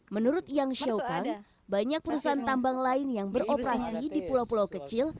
menurut yang sho khang banyak perusahaan tambang lain yang beroperasi di pulau pulau kecil